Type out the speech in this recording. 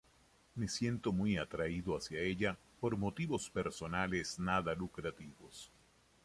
Me siento muy atraído hacia ella por motivos personales nada lucrativos...